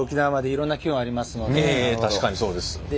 ええ確かにそうです。